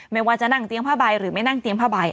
ไม่ว่าจะนั่งเตียงผ้าใบหรือไม่นั่งเตียงผ้าใบ